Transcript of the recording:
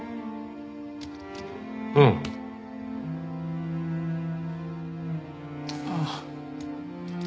「うん」ああ。